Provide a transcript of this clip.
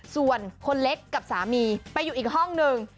ส่วนคนเล็กกับสามีไปอยู่อีกห้องหนึ่ง